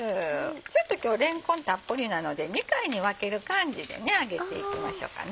ちょっと今日れんこんたっぷりなので２回に分ける感じで揚げていきましょうかね。